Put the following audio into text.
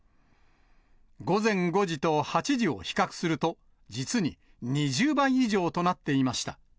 午前５時と８時を比較すると、実に２０倍以上となっていました。